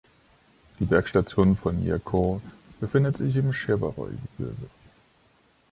Die Bergstation von Yercaud befindet sich im Schewaroy-Gebirge.